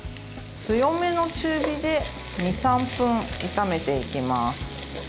強めの中火で２３分炒めていきます。